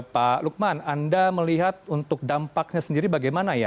pak lukman anda melihat untuk dampaknya sendiri bagaimana ya